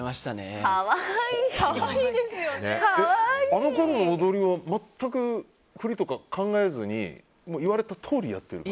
あのころ、踊りは全く振りとか考えずに言われたとおりやってるの？